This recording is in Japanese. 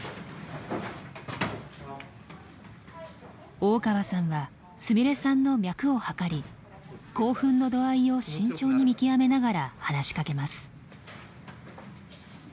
大川さんはすみれさんの脈を測り興奮の度合いを慎重に見極めながら話しかけます。